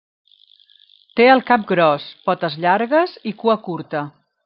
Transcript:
Té el cap gros, potes llargues i cua curta.